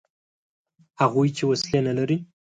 هغوی چې وسلې نه لري.